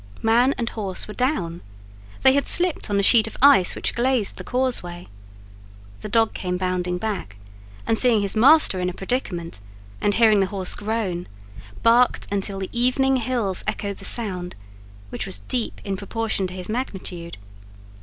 Man and horse were down; they had slipped on the sheet of ice which glazed the causeway. The dog came bounding back, and seeing his master in a predicament, and hearing the horse groan, barked till the evening hills echoed the sound, which was deep in proportion to his magnitude.